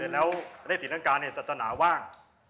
แล้วเลขศรีลังกาศาสนาว่าง